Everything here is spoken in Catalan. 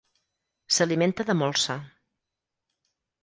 S'alimenta de molsa.